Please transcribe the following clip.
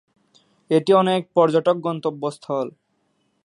এটি অনেক পর্যটক গন্তব্যস্থল।